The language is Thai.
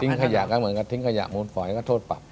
ปรับให้หนักหนาเหมือนกันทิ้งขยะมุมฝอยก็โทษปรับ